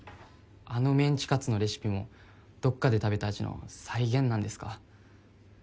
あのメンチカツのレシピもどっかで食べた味の再現なんですか？